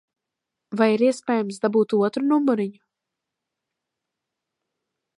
Vai ir iespējams dabūt otru numuriņu?